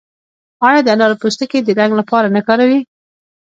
آیا د انارو پوستکي د رنګ لپاره نه کاروي؟